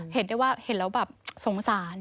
เห็นได้ว่าเห็นแล้วแบบสงสาร